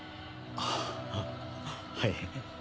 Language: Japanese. ああはい。